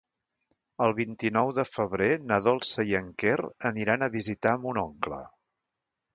El vint-i-nou de febrer na Dolça i en Quer aniran a visitar mon oncle.